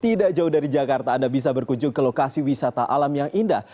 tidak jauh dari jakarta anda bisa berkunjung ke lokasi wisata alam yang indah